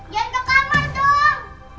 jangan ke kamar dong